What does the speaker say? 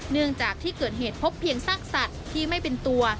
เนื่องจากที่เกิดเหตุพบเพียงซากสัตว์ที่ไม่เป็นตัว